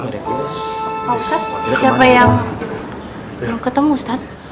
pak ustadz siapa yang belum ketemu ustadz